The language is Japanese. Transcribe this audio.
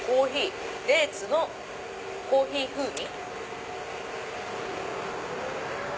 デーツのコーヒー風味。